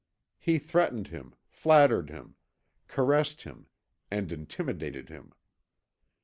He threatened him, flattered him, caressed him, and intimidated him.